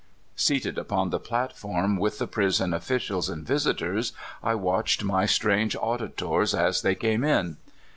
Seated upon the platform with the prison offi cials and visitors, I watched my strange auditors as they came in.